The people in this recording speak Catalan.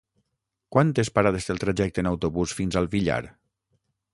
Quantes parades té el trajecte en autobús fins al Villar?